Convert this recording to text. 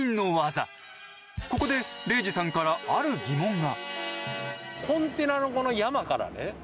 ここで礼二さんからある疑問が。